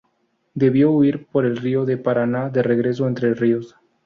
Debió huir por el río Paraná de regreso a Entre Ríos.